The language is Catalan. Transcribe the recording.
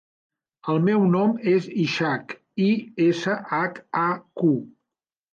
El meu nom és Ishaq: i, essa, hac, a, cu.